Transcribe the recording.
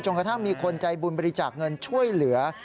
กระทั่งมีคนใจบุญบริจาคเงินช่วยเหลือ